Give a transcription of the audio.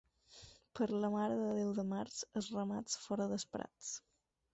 Per la Mare de Déu de març els ramats fora dels prats.